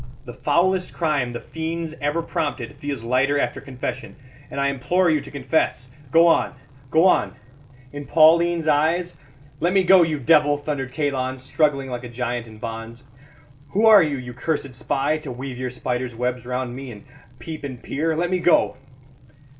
The foulest crime the fiends ever prompted feels lighter after confession; and I implore you to confess. Go on, go on in Pauline's eyes " "Let me go, you devil!" thundered Kalon, struggling like a giant in bonds. "Who are you, you cursed spy, to weave your spiders' webs round me, and peep and peer? Let me go."